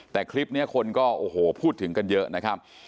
แต่คลิปนี้คนก็โอ้โหพูดถึงกันเยอะนะครับ